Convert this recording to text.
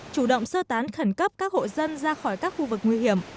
chủ động sơ tán khẩn cấp các hộ dân ra khỏi các khu vực nguy hiểm